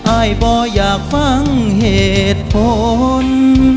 อายบ่ออยากฟังเหตุผล